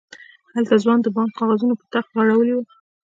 هلته ځوان د بانک کاغذونه په تخت غړولي وو.